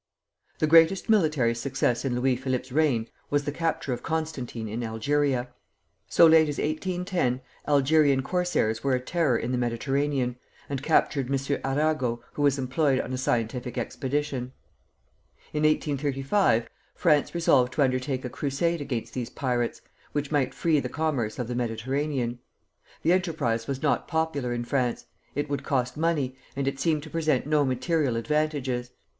The greatest military success in Louis Philippe's reign was the capture of Constantine in Algeria. So late as 1810 Algerine corsairs were a terror in the Mediterranean, and captured M. Arago, who was employed on a scientific expedition. In 1835, France resolved to undertake a crusade against these pirates, which might free the commerce of the Mediterranean. The enterprise was not popular in France. It would cost money, and it seemed to present no material advantages.